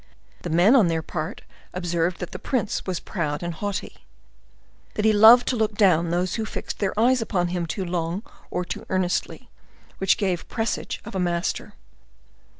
The men, on their part, observed that the prince was proud and haughty, that he loved to look down those who fixed their eyes upon him too long or too earnestly, which gave presage of a master.